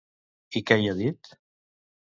I què hi ha dit?